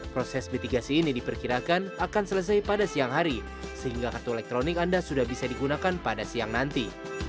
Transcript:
proses mitigasi ini diperkirakan akan selesai pada siang hari sehingga kartu elektronik anda sudah bisa digunakan pada siang nanti